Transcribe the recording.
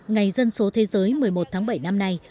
ngày dân số thế giới một mươi một tháng bảy năm nay